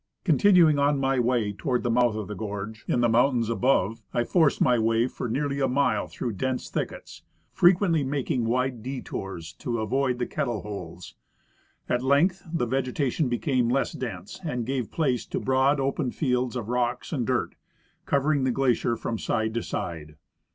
Continuing on my way toward the mouth of the gorge in the 90 /.('. liusscU — Expedition to Mount .St. Ellas. mountains alx)ve, I forced my way for nearly a mile through dense thickets, frequently making wide detours to avoid the kettle holes. At length the vegetation became less dense, and gave place to broad open fields of rocks and dirt, covering the glacier from side to side.